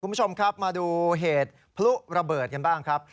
คุณผู้ชมครับมาดูเหตุพลุระเบิดกันบ้างครับ